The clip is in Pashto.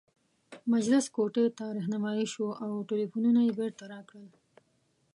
مجلس کوټې ته رهنمايي شوو او ټلفونونه یې بیرته راکړل.